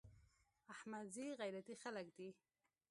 احمدزي غيرتي خلک دي.